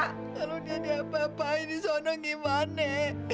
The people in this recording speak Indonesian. kalau jadi apa apaan disana gimana